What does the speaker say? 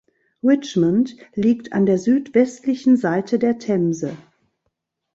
Richmond liegt an der süd-westlichen Seite der Themse.